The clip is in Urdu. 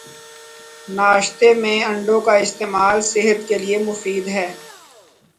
ناشتے میں انڈوں کا استعمال صحت کیلئے مفید ہے